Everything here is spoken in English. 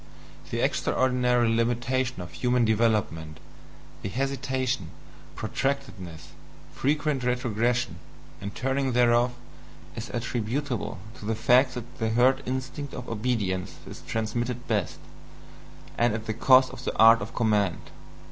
The extraordinary limitation of human development, the hesitation, protractedness, frequent retrogression, and turning thereof, is attributable to the fact that the herd instinct of obedience is transmitted best, and at the cost of the art of command.